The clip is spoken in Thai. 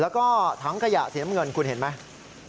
แล้วก็ถังขยะสีน้ำเงินคุณเห็นไหม